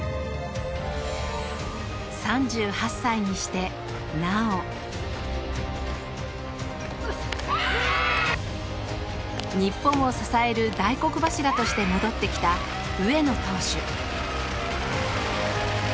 ３８歳にして、なお日本を支える大黒柱として戻ってきた、上野投手